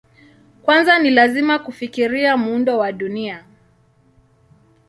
Kwanza ni lazima kufikiria muundo wa Dunia.